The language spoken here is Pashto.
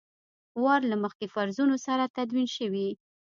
وار له مخکې فرضونو سره تدوین شوي.